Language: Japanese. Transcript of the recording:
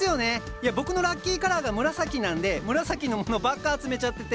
いや僕のラッキーカラーが紫なんで紫のものばっか集めちゃってて。